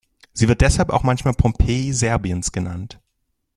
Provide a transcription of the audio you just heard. Sie wird deshalb manchmal auch „Pompeji Serbiens“ genannt.